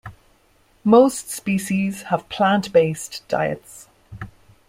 Most species have plant-based diets.